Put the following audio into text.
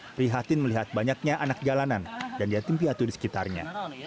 prihatin melihat banyaknya anak jalanan dan yatim piatu di sekitarnya